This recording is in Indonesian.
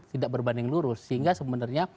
tidak berbanding lurus sehingga sebenarnya